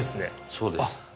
そうです。